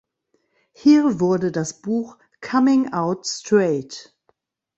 Hier wurde das Buch "Coming out Straight.